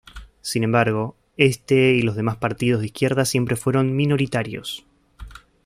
Sin embargo, este y los demás partidos de izquierda siempre fueron minoritarios.